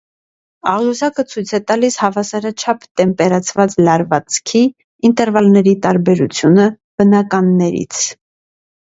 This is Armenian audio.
Աղյուսակը ցույց է տալիս հավասարաչափ տեմպերացված լարվածքի ինտերվալների տարբերությունը բնականներից։